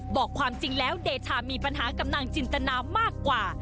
บอกความจริงแล้วเดชามีปัญหากับนางจินตนามากกว่า